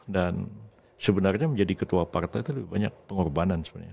dan sebenarnya menjadi ketua partai itu lebih banyak pengorbanan sebenarnya